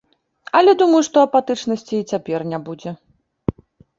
Але думаю, што апатычнасці і цяпер не будзе.